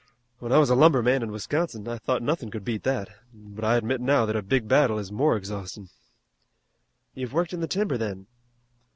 When I was a lumberman in Wisconsin I thought nothin' could beat that, but I admit now that a big battle is more exhaustin'." "You've worked in the timber then?"